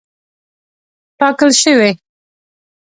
ټاکل شوې.